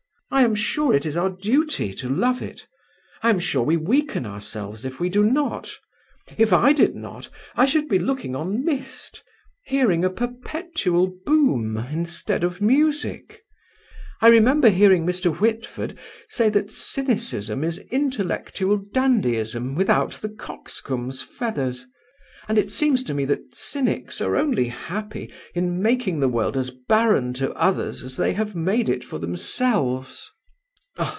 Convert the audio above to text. I am sure it is our duty to love it. I am sure we weaken ourselves if we do not. If I did not, I should be looking on mist, hearing a perpetual boom instead of music. I remember hearing Mr. Whitford say that cynicism is intellectual dandyism without the coxcomb's feathers; and it seems to me that cynics are only happy in making the world as barren to others as they have made it for themselves."